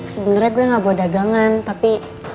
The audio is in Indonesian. sebenernya gue gak buat dagangan tapi